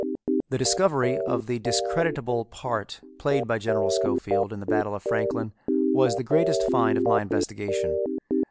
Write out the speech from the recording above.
The discovery of the discreditable part played by General Schofield in the Battle of Franklin was the greatest find of my investigation.